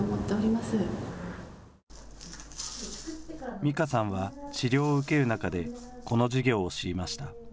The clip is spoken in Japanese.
みかさんは治療を受ける中でこの事業を知りました。